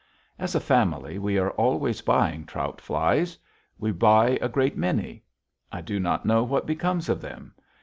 As a family, we are always buying trout flies. We buy a great many. I do not know what becomes of them.